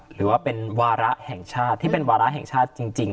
หรือว่าเป็นวาระแห่งชาติที่เป็นวาระแห่งชาติจริง